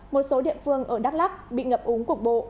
một số địa phương ở đắk lắc bị ngập úng cục bộ